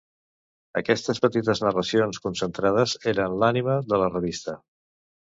Aquestes petites narracions concentrades eren l'ànima de la revista.